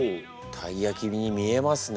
たいやきに見えますね。